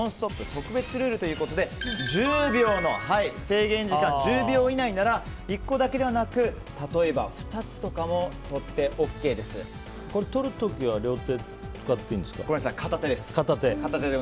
特別ルールということで１０秒の制限時間以内なら１個だけではなく例えば２つとかも取ってとる時はごめんなさい、片手です。